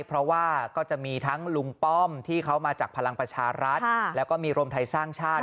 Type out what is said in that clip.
เพราะว่าก็จะมีทั้งลุงป้อมที่เขามาจากพลังประชารัฐแล้วก็มีรวมไทยสร้างชาติ